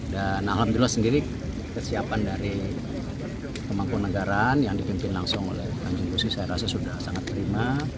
dan alhamdulillah sendiri kesiapan dari pemangkunegaran yang dipimpin langsung oleh pemangkunegaran saya rasa sudah sangat terima